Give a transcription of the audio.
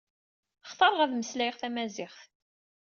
Xtareɣ ad mmeslayeɣ tamaziɣt.